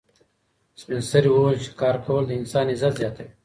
سپین سرې وویل چې کار کول د انسان عزت زیاتوي.